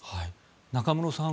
中室さん